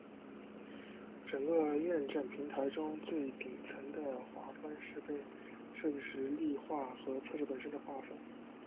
整个验证平台中最顶层的划分是被测设计实例化和测试本身的划分。